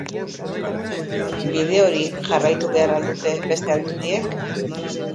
Bide hori jarraitu behar al dute beste aldundiek?